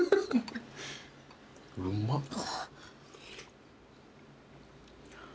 うまっ。